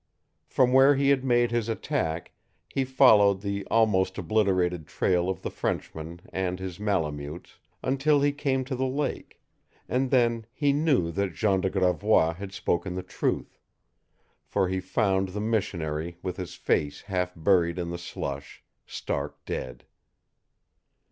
From where he had made his attack, he followed the almost obliterated trail of the Frenchman and his Malemutes until he came to the lake; and then he knew that Jean de Gravois had spoken the truth, for he found the missionary with his face half buried in the slush, stark dead.